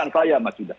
saya masih tidak